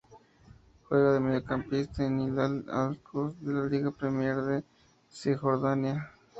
Juega de mediocampista en Hilal Al-Quds de la Liga Premier de Cisjordania.